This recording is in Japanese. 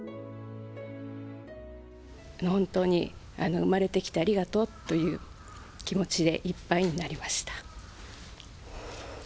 本当に生まれてきてありがとうという気持ちでいっぱいになりました。